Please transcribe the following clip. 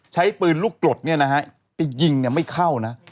ใช้ปืนลูกกรดเนี่ยนะฮะไปยิงไม่เข้านะ